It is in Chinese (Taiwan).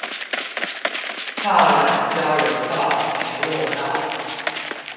大湳交流道聯絡道